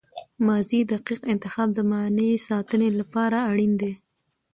ماضي دقیق انتخاب د معنی ساتني له پاره اړین دئ.